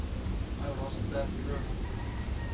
I was that driven.